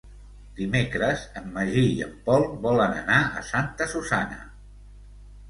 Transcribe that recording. Dimecres en Magí i en Pol volen anar a Santa Susanna.